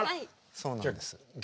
そうなんです。